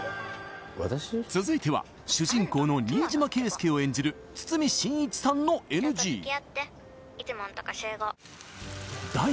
続いては主人公の新島圭介を演じる堤真一さんのＮＧ☎